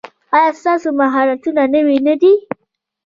ایا ستاسو مهارتونه نوي نه دي؟